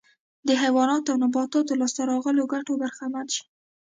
د حیواناتو او نباتاتو لاسته راغلو ګټو برخمن شي